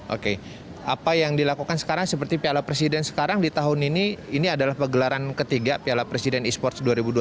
oke apa yang dilakukan sekarang seperti piala presiden sekarang di tahun ini ini adalah pegelaran ketiga piala presiden esports dua ribu dua puluh